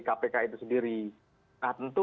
kpk itu sendiri nah tentu